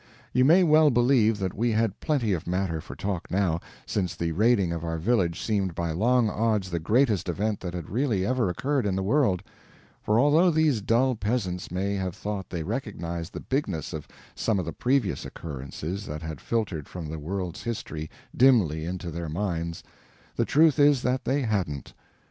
You may well believe that we had plenty of matter for talk now, since the raiding of our village seemed by long odds the greatest event that had really ever occurred in the world; for although these dull peasants may have thought they recognized the bigness of some of the previous occurrences that had filtered from the world's history dimly into their minds, the truth is that they hadn't.